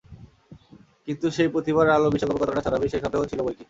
কিন্তু সেই প্রতিভার আলো বিশ্বকাপে কতটা ছড়াবে, সেই সন্দেহও ছিল বৈকি।